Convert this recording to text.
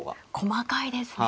細かいですね。